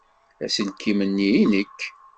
Aselkim-nni i nekk?